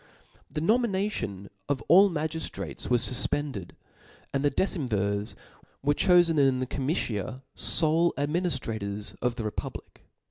The nomination of all magiftrates was fufpended \ and the decemvirs were cholen in the comitia ibie adminiftrators of the republic.